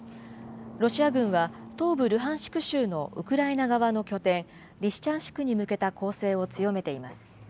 ロシア軍は、東部ルハンシク州のウクライナ側の拠点、リシチャンシクに向けた攻勢を強めています。